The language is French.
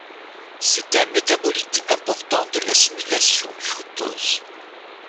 C'est un métabolite important de l'assimilation du fructose.